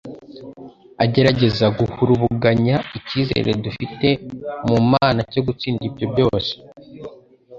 Agerageza guhurugabanya icyizere dufite mu Mana cyo gitsinda ibyo byose.